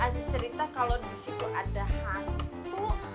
aziz cerita kalau disitu ada hantu